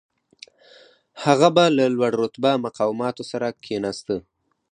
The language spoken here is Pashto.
هغه به له لوړ رتبه مقاماتو سره کښېناسته.